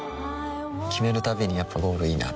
決めるたびにやっぱゴールいいなってふん